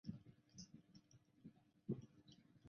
接头的接续让两条不同的光纤的光可以通过。